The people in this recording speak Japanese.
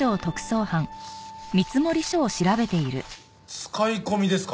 使い込みですか。